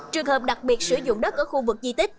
trường hợp đặc biệt sử dụng đất ở khu vực di tích